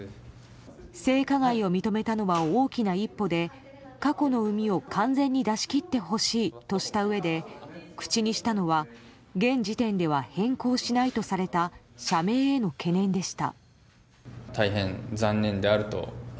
性加害を認めたのは大きな一歩で過去の膿を、完全に出し切ってほしいとしたうえで口にしたのは現時点では変更しないとされた社名への懸念でした。